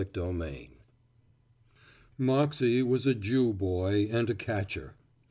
X MOXEY Moxey was a Jew boy and a catcher.